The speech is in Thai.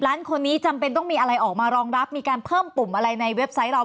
ล้านคนนี้จำเป็นต้องมีอะไรออกมารองรับมีการเพิ่มปุ่มอะไรในเว็บไซต์เรา